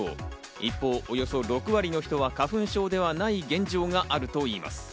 一方、およそ６割の人は花粉症ではない現状があるといいます。